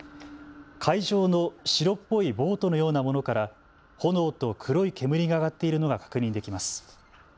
海上の白っぽいボートのようなものから炎と黒い煙が上がっているのが確認できます。